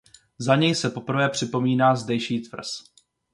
Za něj se poprvé připomíná zdejší tvrz.